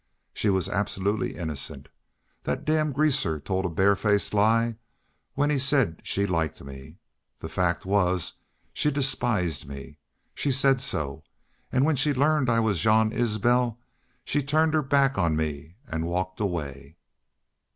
She was absolutely innocent. Thet damned greaser told a bare faced lie when he said she liked me. The fact was she despised me. She said so. An' when she learned I was Jean Isbel she turned her back on me an' walked away."'